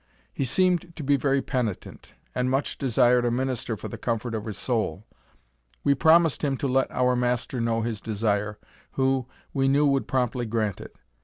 He seemed to be very penitent, and much desired a minister for the comfort of his soul. We promised him to let our master know his desire, who, we knew would promptly grant it.